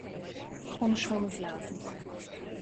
Konuşmamız lazım.